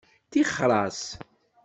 Ṭixer-as.